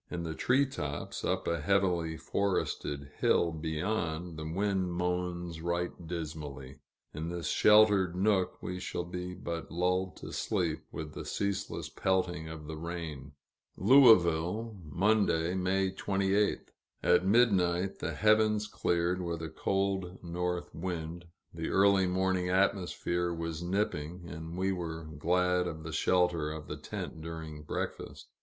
In the tree tops, up a heavily forested hill beyond, the wind moans right dismally. In this sheltered nook, we shall be but lulled to sleep with the ceaseless pelting of the rain. Louisville, Monday, May 28th. At midnight, the heavens cleared, with a cold north wind; the early morning atmosphere was nipping, and we were glad of the shelter of the tent during breakfast.